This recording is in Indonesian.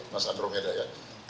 mas andromeda ya